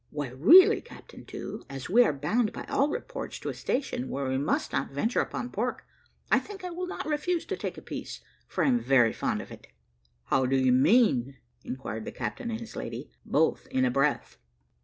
"Why really, Captain To, as we are bound, by all reports, to a station where we must not venture upon pork, I think I will not refuse to take a piece, for I am very fond of it." "How do you mean?" inquired the captain and his lady, both in a breath.